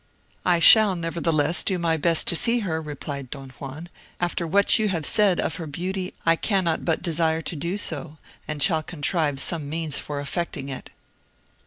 "I shall nevertheless do my best to see her," replied Don Juan; "after what you have said of her beauty, I cannot but desire to do so, and shall contrive some means for effecting it."